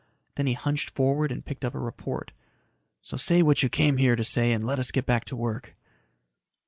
Then he hunched forward and picked up a report. "So say what you came here to say and let us get back to work."